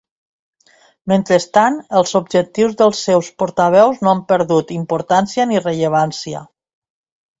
Mentrestant, els objectius dels seus portaveus no han perdut importància ni rellevància.